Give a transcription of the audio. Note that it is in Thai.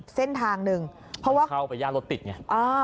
เพราะว่าเข้าไปรหัวติดไง